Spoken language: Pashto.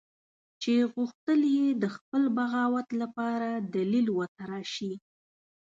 چې غوښتل یې د خپل بغاوت لپاره دلیل وتراشي.